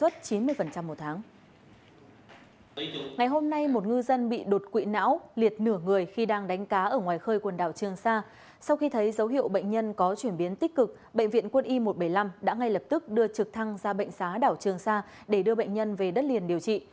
trước khi bệnh nhân có chuyển biến tích cực bệnh viện quân y một trăm bảy mươi năm đã ngay lập tức đưa trực thăng ra bệnh xá đảo trường sa để đưa bệnh nhân về đất liền điều trị